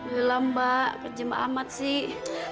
belah mbak kerja mbak amat sih